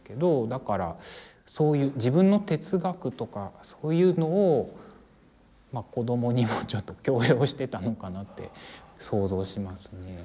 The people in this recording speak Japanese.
だからそういう自分の哲学とかそういうのを子供にもちょっと強要してたのかなって想像しますね。